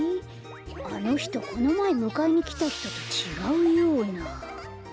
あのひとこのまえむかえにきたひととちがうような。